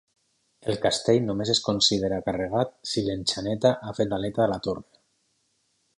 El castell només es considera carregat si l'enxaneta ha fet l'aleta a la torre.